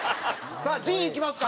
さあ陣いきますか？